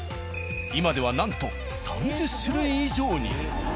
今ではなんと３０種類以上に！